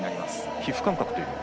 皮膚感覚というのは？